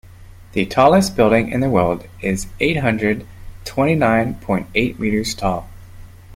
The tallest building in the world is eight hundred twenty nine point eight meters tall.